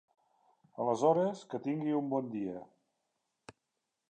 Aleshores que tingui un bon dia.